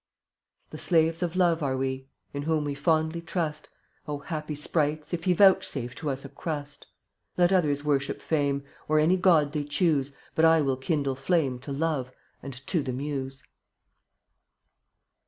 3 8 The slaves of Love are we, In whom we fondly trust, Oh, happy sprites if he Vouchsafe to us a crust. Let others worship Fame, Or any god they choose, But I will kindle flame To Love — and to the Muse.